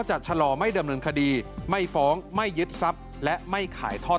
จะชะลอไม่เดิมหนึ่งคดีไม่ฟ้องไม่ยึดทรัพย์และไม่ขายทอด